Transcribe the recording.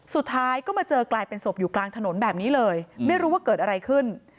สุดท้ายก็มาเจอกลายเป็นศพอยู่กลางถนนแบบนี้เลยไม่รู้ว่าเกิดอะไรขึ้น